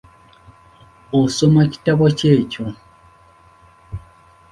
Osoma kitabo ki ekyo?